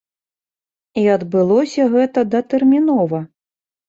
І адбылося гэта датэрмінова.